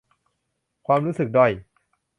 ความรู้สึกด้อย